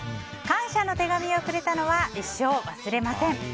感謝の手紙をくれたのは一生忘れません。